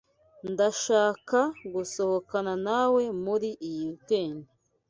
Ndashaka gusohokana nawe muri iyi weekend.